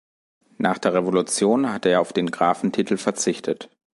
Nach der Revolution hatte er auf den Grafentitel verzichtet.